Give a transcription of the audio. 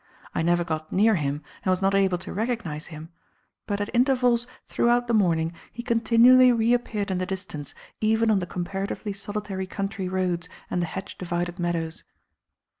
I never got near him and was not able to recognize him, but at intervals throughout the morning he continually reappeared in the distance, even on the comparatively solitary country roads and the hedge divided meadows.